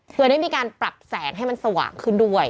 เพื่อได้มีการปรับแสงให้มันสว่างขึ้นด้วย